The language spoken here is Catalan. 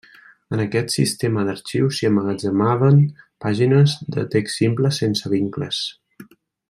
En aquest sistema d'arxius s'hi emmagatzemaven pàgines de text simple sense vincles.